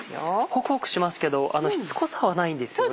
ホクホクしますけどしつこさはないんですよね。